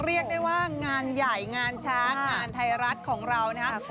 เรียกได้ว่างานใหญ่งานช้างานไทยรัฐของเรานะครับ